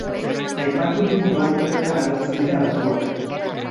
Aipatu liburuan bertan agertzen diren datuak.